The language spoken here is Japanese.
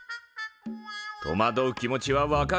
とまどう気持ちは分かる。